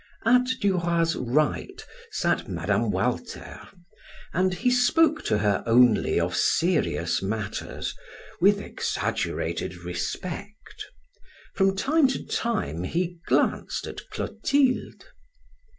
At Du Roy's right sat Mme. Walter, and he spoke to her only of serious matters with exaggerated respect. From time to time he glanced at Clotilde.